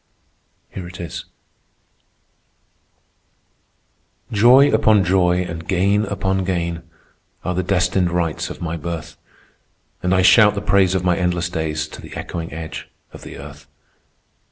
Here it is: "Joy upon joy and gain upon gain Are the destined rights of my birth, And I shout the praise of my endless days To the echoing edge of the earth.